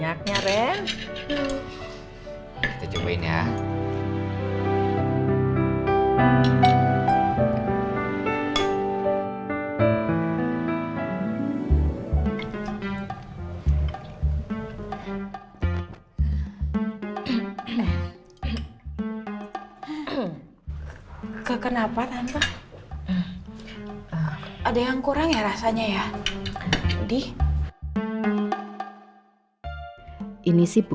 yang mengikat cinta kita